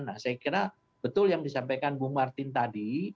nah saya kira betul yang disampaikan bu martin tadi